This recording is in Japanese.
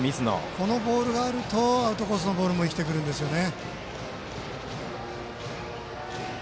このボールがあるとアウトコースのボールも生きてくるんですよね。